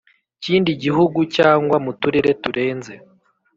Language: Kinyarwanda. Kindi gihugu cyangwa mu turere turenze